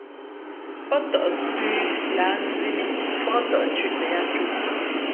Pά tαʼ zʉ̄ lǎh nzī mǐ mfák tαʼ thʉ̄ tα yāā cō.